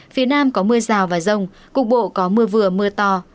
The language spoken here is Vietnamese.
phía nam có mưa rào và rông cục bộ có mưa vừa mưa to